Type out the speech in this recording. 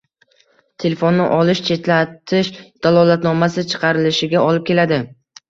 Telefonni olish chetlatish dalolatnomasi chiqarilishiga olib keladi